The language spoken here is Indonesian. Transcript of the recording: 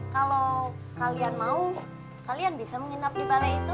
kalau kalian mau kalian bisa menginap di balai itu